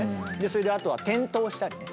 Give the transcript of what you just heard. それであとは転倒したりね。